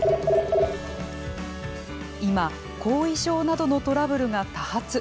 今、後遺症などのトラブルが多発。